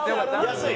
安い？